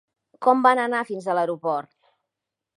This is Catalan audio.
Com van anar fins a l'aeroport?